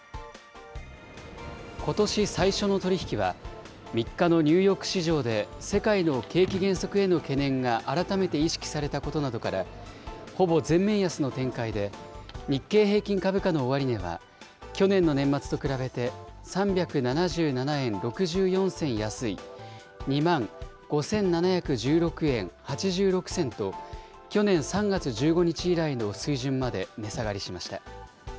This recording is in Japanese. ことし最初の取り引きは、３日のニューヨーク市場で、世界の景気減速への懸念が改めて意識されたことなどから、ほぼ全面安の展開で、日経平均株価の終値は、去年の年末と比べて３７７円６４銭安い、２万５７１６円８６銭と、去年３月１５日以来の水準まで値下がりしました。